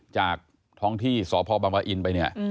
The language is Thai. จากท้องที่สพบังปะอินไปเนี่ย